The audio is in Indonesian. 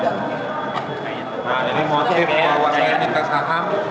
nah ini motif bahwa saya minta saham